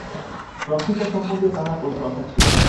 বক্তৃতা সম্বন্ধেও তাঁহার ঐ প্রথা ছিল।